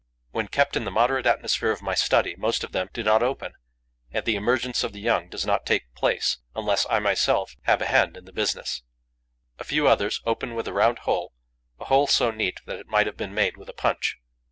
When kept in the moderate atmosphere of my study, most of them do not open and the emergence of the young does not take place, unless I myself I have a hand in the business; a few others open with a round hole, a hole so neat that it might have been made with a punch.